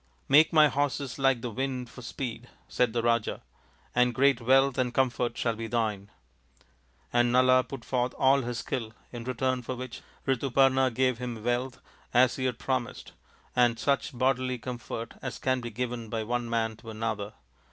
Make my horses like the wind for speed," said the Raja, " and great wealth and comfort shall be thine." And Nala put forth all his skill, in return for which Rituparna gave him wealth as he had promised and such bodily comfort as can be given by one man to another.